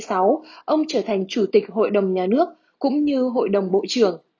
năm một nghìn chín trăm bảy mươi sáu ông trở thành chủ tịch hội đồng nhà nước cũng như hội đồng bộ trưởng